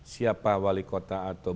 siapa wali kota atau